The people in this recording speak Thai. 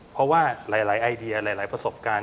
เพราะว่าหลายไอเดียหลายประสบการณ์